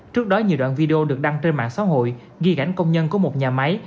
trước đó nhiều đoạn video được đăng trên mạng xã hội ghi gãnh công nhân của một nhà máy